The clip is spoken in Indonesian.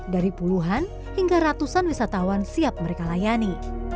dari puluhan hingga ratusan wisatawan siap mereka layani